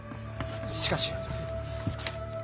しかし。